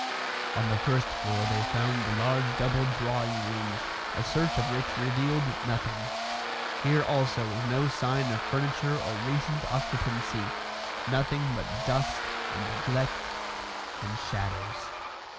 On the first floor they found the large double drawing rooms, a search of which revealed nothing. Here also was no sign of furniture or recent occupancy; nothing but dust and neglect and shadows.